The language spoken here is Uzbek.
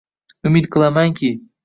Umid qilamanki